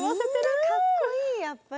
みんなかっこいいやっぱり。